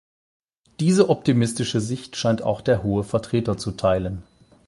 Diese optimistische Sicht scheint auch der Hohe Vertreter zu teilen.